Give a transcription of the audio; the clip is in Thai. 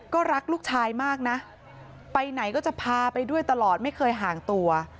ก็รักลูกชายมากนะไปไหนก็จะพาไปด้วยตลอดไม่เคยห่างตัว